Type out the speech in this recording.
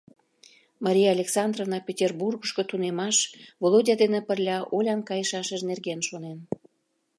Мария Александровна Петербургышко тунемаш Володя дене пырля Олян кайышашыж нерген шонен.